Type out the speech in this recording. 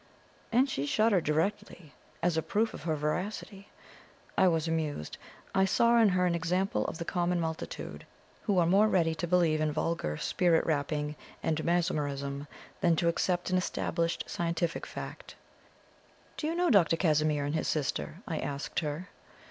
And she shuddered directly, as a proof of her veracity. I was amused. I saw in her an example of the common multitude, who are more ready to believe in vulgar spirit rapping and mesmerism than to accept an established scientific fact. "Do you know Dr. Casimir and his sister?" I asked her.